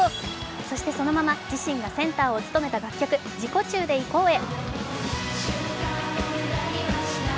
そしてそのまま自身がセンターを務めた楽曲、「ジコチューで行こう！」へ。